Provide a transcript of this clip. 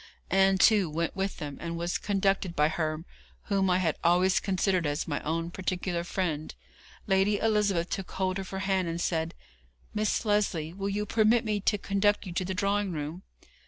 Ann, too, went with them, and was conducted by her whom I had always considered as my own particular friend. Lady Elizabeth took hold of her hand, and said: 'Miss Lesley, will you permit me to conduct you to the drawing room?'